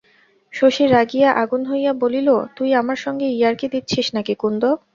শশী রাগিয়া আগুন হইয়া বলিল, তুই আমার সঙ্গে ইয়ার্কি দিচ্ছিস নাকি কুন্দ?